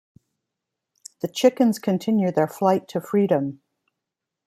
The chickens continue their flight to freedom.